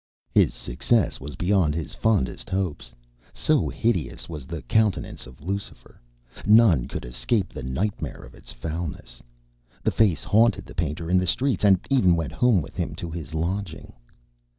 His success was beyond his fondest hopes; so hideous was the countenance of Lucifer, none could escape the nightmare of its foulness. The face haunted the painter in the streets and even went home with him to his lodging.